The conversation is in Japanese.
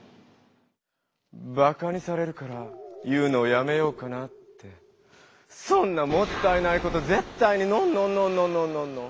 「バカにされるから言うのをやめようかな」ってそんなもったいないことぜったいにノンノンノンノン！